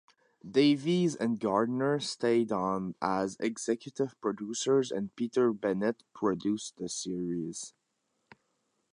Davies and Gardner stayed on as executive producers, and Peter Bennett produced the series.